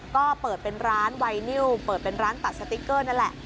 ก็เปิดเป็นร้านไวนิวเปิดเป็นร้านตัดสติ๊กเกอร์นั่นแหละ